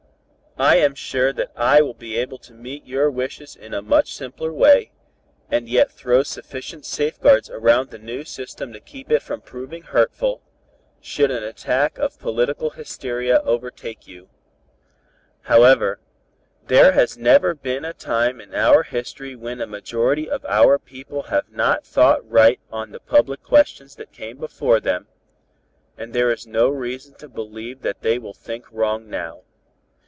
"I am sure that I shall be able to meet your wishes in a much simpler way, and yet throw sufficient safeguards around the new system to keep it from proving hurtful, should an attack of political hysteria overtake you. "However, there has never been a time in our history when a majority of our people have not thought right on the public questions that came before them, and there is no reason to believe that they will think wrong now.